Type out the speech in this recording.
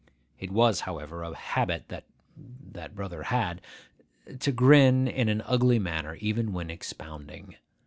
It was, however, a habit that brother had, to grin in an ugly manner even when expounding.